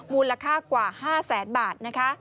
มูลค่ากว่า๕๐๐๐๐๐บาท